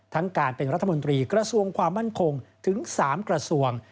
การเป็นรัฐมนตรีกระทรวงความมั่นคงถึง๓กระทรวง